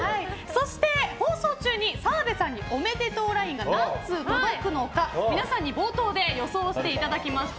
そして、放送中に澤部さんにおめでとうＬＩＮＥが何通届くのか皆さんに冒頭で予想していただきました。